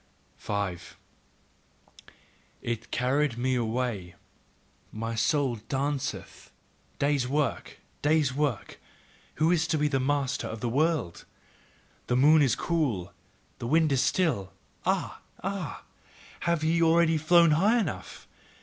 5. It carrieth me away, my soul danceth. Day's work! Day's work! Who is to be master of the world? The moon is cool, the wind is still. Ah! Ah! Have ye already flown high enough?